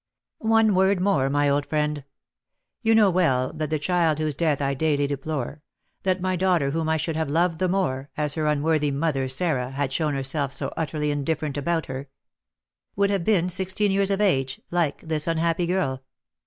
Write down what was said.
"One word more, my old friend. You know well that the child whose death I daily deplore that that daughter whom I should have loved the more, as her unworthy mother, Sarah, had shown herself so utterly indifferent about her would have been sixteen years of age, like this unhappy girl.